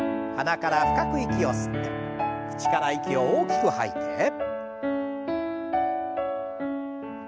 鼻から深く息を吸って口から息を大きく吐いて。